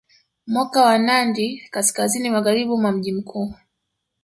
Moka wa Nandi kaskazini magharibi mwa mji mkuu